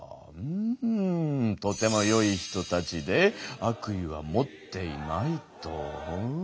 とてもよい人たちで悪意は持っていないと。